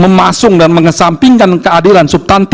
memasung dan mengesampingkan keadilan